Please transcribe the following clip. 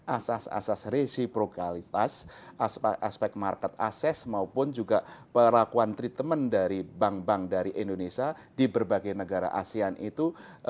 asas asas resiprogalitas aspek market ases maupun juga perlakuan treatment dari bank bank dari indonesia di berbagai negara asean itu